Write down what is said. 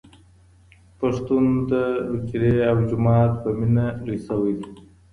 پښتون د حجري او جومات په مینه لوی سوی.